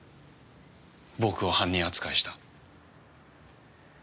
僕を犯人扱いした。